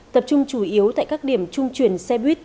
tập trung chủ yếu tại các điểm trung chuyển xe buýt